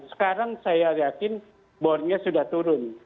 sekarang saya yakin bornya sudah turun